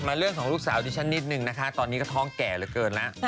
เรื่องของลูกสาวดิฉันนิดนึงนะคะตอนนี้ก็ท้องแก่เหลือเกินแล้ว